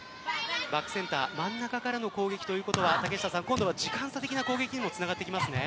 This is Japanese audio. バックセンター真ん中からの攻撃ということは今度は時間差的な攻撃にもつながってきますね。